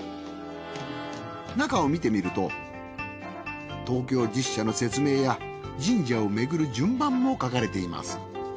中を見てみると東京十社の説明や神社をめぐる順番も書かれています。